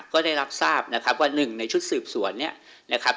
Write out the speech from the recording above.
ก็ได้รับทราบนะครับว่าหนึ่งในชุดสืบสวนเนี่ยนะครับ